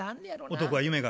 男は夢が？